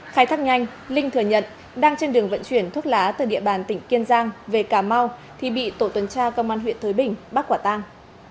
khai thác nhanh linh thừa nhận đang trên đường vận chuyển thuốc lá từ địa bàn tỉnh kiên giang về cà mau thì bị tổ tuần tra công an huyện thới bình bắt quả tang